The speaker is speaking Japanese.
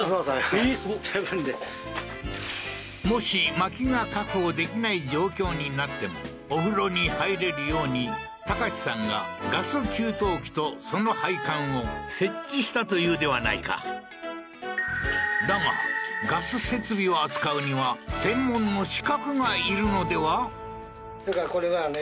もし薪が確保できない状況になってもお風呂に入れるように孝司さんがガス給湯器とその配管を設置したというではないかだがガス設備を扱うには専門の資格がいるのでは？